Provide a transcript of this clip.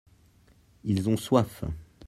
ils ont soif.